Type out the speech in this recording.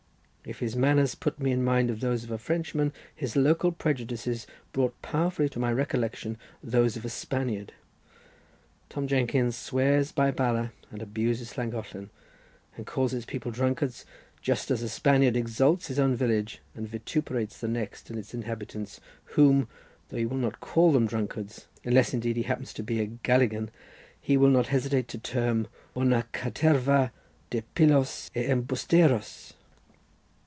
If his manners put me in mind of those of a Frenchman, his local prejudices brought powerfully to my recollection those of a Spaniard. Tom Jenkins swears by Bala and abuses Llangollen, and calls its people drunkards, just as a Spaniard exalts his own village, and vituperates the next and its inhabitants, whom, though he will not call them drunkards, unless, indeed, he happens to be a Gallegan, he will not hesitate to term "una caterva de pillos y embusteros."